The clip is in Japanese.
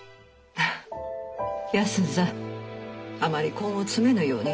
左あまり根を詰めぬようにな。